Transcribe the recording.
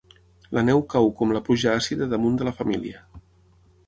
La neu cau com la pluja àcida damunt de la família.